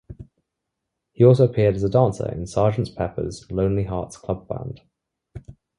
He also appeared as a dancer in "Sergeant Pepper's Lonely Hearts Club Band".